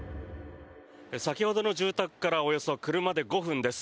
先ほどの住宅からおよそ車で５分です。